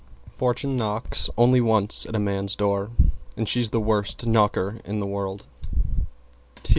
Fortune knocks only once at a man's door And she's the worst Knocker in the world.